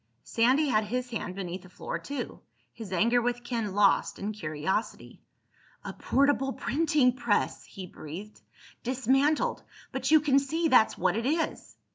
Sandy had his hand beneath the floor too, his anger with Ken lost in curiosity. "A portable printing press!" he breathed. "Dismantled—but you can see that's what it is!"